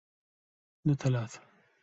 Not a lot"".